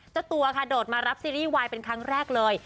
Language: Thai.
เจ้าตัวค่ะโดดมารับซีรีส์วายเป็นครั้งแรกเลย